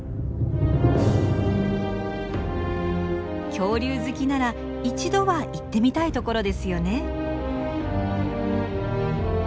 恐竜好きなら一度は行ってみたいところですよね。